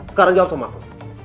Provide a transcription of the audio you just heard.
sekarang jawab sama aku